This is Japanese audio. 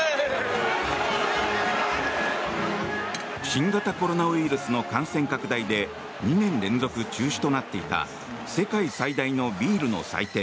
新型コロナウイルスの感染拡大で２年連続中止となっていた世界最大のビールの祭典